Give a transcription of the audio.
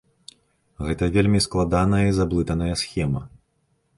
Гэта вельмі складаная і заблытаная схема.